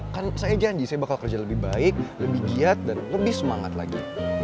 kan saya janji saya bakal kerja lebih baik lebih giat dan lebih semangat lagi